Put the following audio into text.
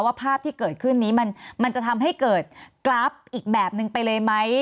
ภาพที่เกิดขึ้นนี้มันจะทำให้เกิดกราฟอีกแบบนึงไปเลยไหม